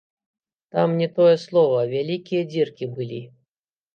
Там не тое слова, вялікія дзіркі былі!